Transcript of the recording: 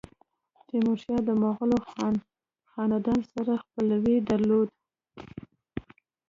تیمورشاه د مغولو خاندان سره خپلوي درلوده.